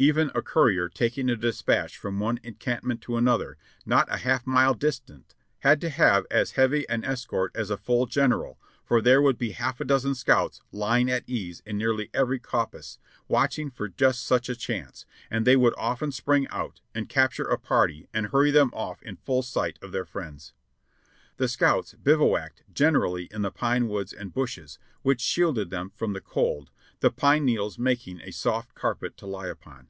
Even a courier taking a dispatch from one encampment to another not a half mile distant had to have as heavy an escort as a full general, for there would be half a dozen scouts lying at ease in nearly every coppice, watching for just such a chance, and they would often spring out and capture a party and hurry them ofif in full sight of their friends. ''the debatable land" 647 The scouts bivouacked generally in the pine woods and bushes, which shielded them from the cold, the pine needles making a soft carpet to lie upon.